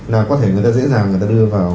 là có thể người ta dễ dàng người ta đưa vào